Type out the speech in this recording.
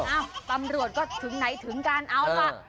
อ้าวตำรวจก็ถึงไหนถึงการอาวุธค่ะ